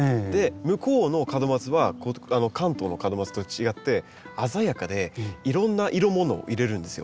向こうの門松は関東の門松と違って鮮やかでいろんな色ものを入れるんですよ。